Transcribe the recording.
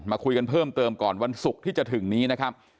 มาคุยกันเพิ่มเติมก่อนวันศุกร์ที่จะถึงนี้นะครับ